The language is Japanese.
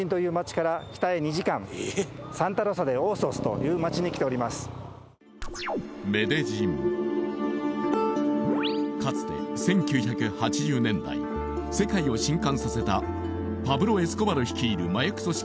今現在私はかつて１９８０年代世界を震撼させたパブロ・エスコバル率いる麻薬組織